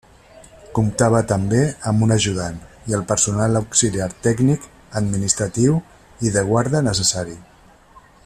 Comptava també amb un ajudant, i el personal auxiliar tècnic, administratiu i de guarda necessari.